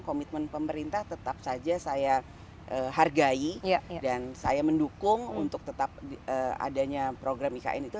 komitmen pemerintah tetap saja saya hargai dan saya mendukung untuk tetap adanya program ikn itu